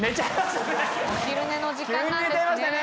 お昼寝の時間なんですね。